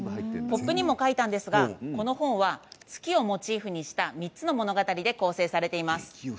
ポップにも書いたんですがこの本は月をモチーフにした３つの物語で構成されています。